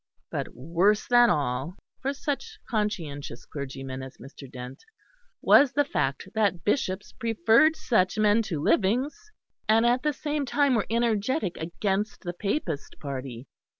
But worse than all, for such conscientious clergymen as Mr. Dent, was the fact that bishops preferred such men to livings, and at the same time were energetic against the Papist party.